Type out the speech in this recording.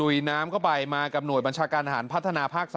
ยน้ำเข้าไปมากับหน่วยบัญชาการทหารพัฒนาภาค๓